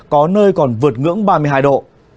có nơi còn vượt ngưỡng ba mươi hai độ